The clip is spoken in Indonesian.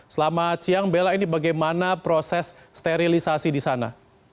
selamat siang bella ini bagaimana proses sterilisasi di sana